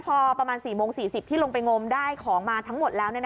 พอประมาณ๔โมง๔๐ที่ลงไปงมได้ของมาทั้งหมดแล้ว